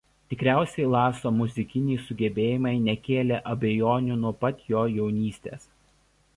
Tikriausiai Laso muzikiniai sugebėjimai nekėlė abejonių nuo pat jo jaunystės.